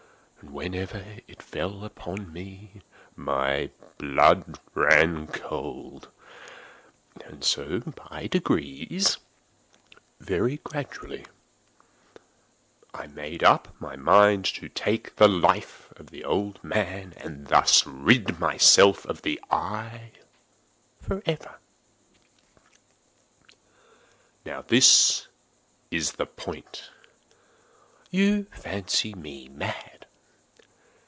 Whenever it fell upon me, my blood ran cold; and so by degrees—very gradually—I made up my mind to take the life of the old man, and thus rid myself of the eye forever. Now this is the point. You fancy me mad.